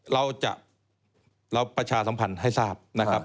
เราจะเราประชาสัมพันธ์ให้ทราบนะครับ